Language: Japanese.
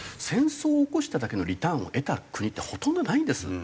戦争を起こしただけのリターンを得た国ってほとんどないんです。